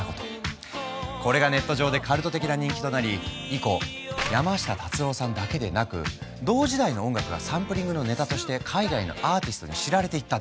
これがネット上でカルト的な人気となり以降山下達郎さんだけでなく同時代の音楽がサンプリングのネタとして海外のアーティストに知られていったんだ。